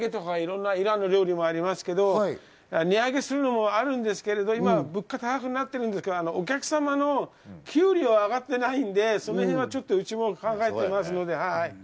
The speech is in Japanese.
から揚げとか、イランの料理もありますけれども、値上げするものもあるんですけど、今、物価が高くなってるんですが、お客様の給料が上がっていないので、そのへんはちょっとうちも考えていますので。